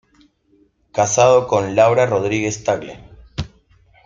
Casado con Laura Rodríguez Tagle.